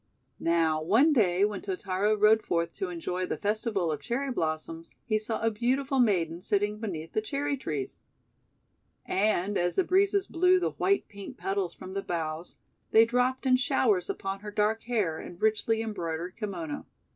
Now one day when Totaro rode forth to enjoy the festival of Cherry blossoms, he saw a beau tiful maiden sitting beneath the Cherry trees. And, as the breezes blew the white pink petals from the boughs, they dropped in showers upon her dark hair and richly embroidered kimono.